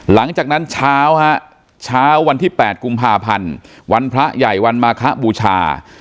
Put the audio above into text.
หลังจากนั้นเช้าฮะเช้าวันที่๘กุมภาพันธ์วันพระใหญ่วันมาคบูชา